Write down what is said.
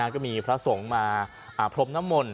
ก็มีพระสงฆ์มาพรมน้ำมนต